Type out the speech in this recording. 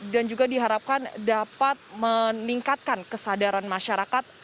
dan juga diharapkan dapat meningkatkan kesadaran masyarakat